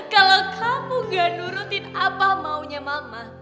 kalau kamu gak nurutin apa maunya mama